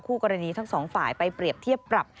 กรณีทั้งสองฝ่ายไปเปรียบเทียบปรับ